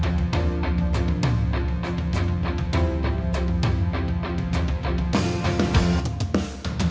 มันอยู่ที่หัวใจ